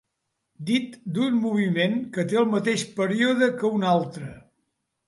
Dit d'un moviment que té el mateix període que un altre.